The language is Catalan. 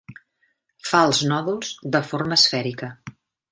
Fa els nòduls de forma esfèrica.